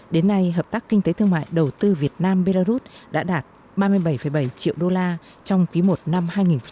đến nay hợp tác kinh tế thương mại đầu tư việt nam belarus đã đạt ba mươi bảy bảy triệu đô la trong quý i năm hai nghìn hai mươi ba